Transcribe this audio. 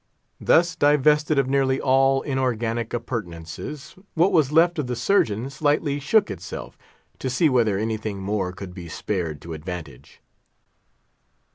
Thus divested of nearly all inorganic appurtenances, what was left of the Surgeon slightly shook itself, to see whether anything more could be spared to advantage.